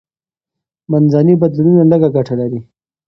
منځني بدلونونه لږه ګټه لري.